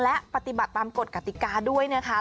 และปฏิบัติตามกฎกติกาด้วยนะคะ